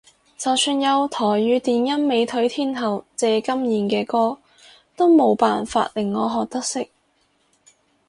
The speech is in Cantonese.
就算有台語電音美腿天后謝金燕嘅歌都冇辦法令我學得識